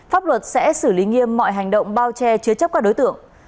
pháp luật sẽ xử lý nghiêm mọi hành động bao che chứa chấp các đối tượng